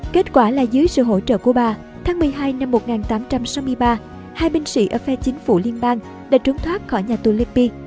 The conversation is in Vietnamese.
kết quả là dưới sự hỗ trợ của bà tháng một mươi hai năm một nghìn tám trăm sáu mươi ba hai binh sĩ ở phe chính phủ liên bang đã trốn thoát khỏi nhà tù liby